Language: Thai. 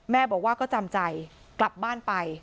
แม่บอกว่าก็จำใจกลับบ้านไป